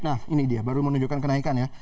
nah ini dia baru menunjukkan kenaikan ya